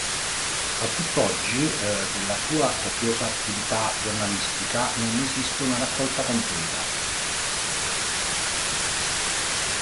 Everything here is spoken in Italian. A tutt'oggi della sua copiosa attività giornalistica non ne esiste una raccolta completa.